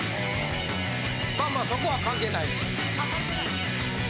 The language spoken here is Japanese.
まあまあそこは関係ない。